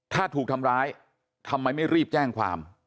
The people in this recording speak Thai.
ถ้าถูกทำร้ายทำไมไม่รีบแจ้งความ